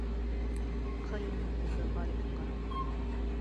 Ҡыйын булды Ғарифҡа.